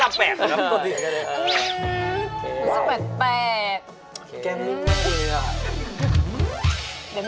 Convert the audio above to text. รอเจื้อมให้